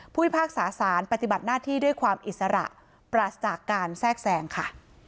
พิพากษาสารปฏิบัติหน้าที่ด้วยความอิสระปราศจากการแทรกแสงค่ะ